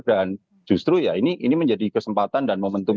dan justru ya ini menjadi kesempatan dan momentum